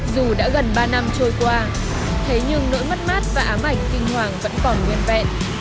dù đã gần ba năm trôi qua thế nhưng nỗi mất mát và ám ảnh kinh hoàng vẫn còn nguyên vẹn